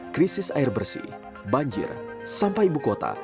krisis air bersih banjir sampah ibu kota